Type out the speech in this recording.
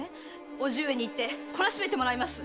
叔父上に言ってこらしめてもらいます！